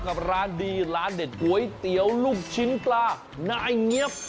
กับร้านดีร้านเด็ดก๋วยเตี๋ยวลูกชิ้นปลานายเงี๊ยบ